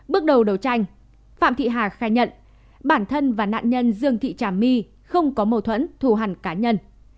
bước đầu đấu tranh phạm thị hà khai nhận bản thân và nạn nhân dương thị trà my không có mâu thuẫn thù hẳn cá nhân